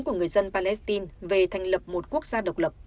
của người dân palestine về thành lập một quốc gia độc lập